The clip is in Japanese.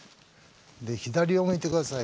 左を向いて下さい。